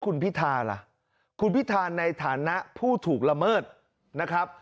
คุณพิธาล่ะคุณพิธาในฐานะผู้ถูกละเมิดนะครับ